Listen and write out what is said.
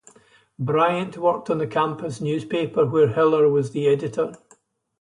Bryant worked on the campus newspaper, where Hiller was the editor.